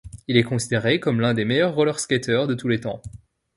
Il est considéré comme l'un des meilleurs rollerskaters de tous les temps.